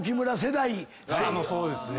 そうですね。